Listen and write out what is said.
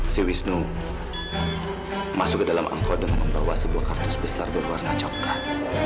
si wisnu masuk ke dalam angkot dengan membawa sebuah kartus besar berwarna coklat